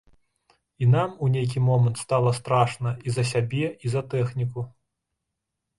І нам у нейкі момант стала страшна і за сябе, і за тэхніку.